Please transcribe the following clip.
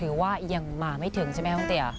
หรือว่ายังมาไม่ถึงใช่ไหมห้องเตี๋ย